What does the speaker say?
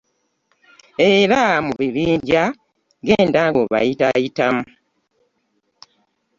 Era mu bibinja genda ng’obayitaayitamu.